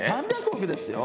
３００億ですよ